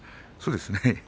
そうですね。